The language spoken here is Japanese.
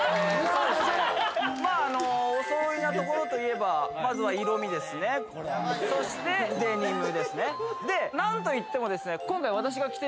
まああのおそろいなところといえばまずは色味ですねそしてデニムですねで何といってもですね